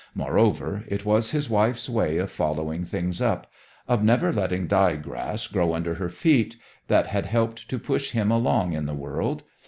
Moreover, it was his wife's way of following things up, of never letting die grass grow under her feet, that had helped to push him along in the world.